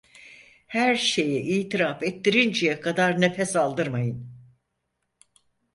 Her şeyi itiraf ettirinceye kadar nefes aldırmayın!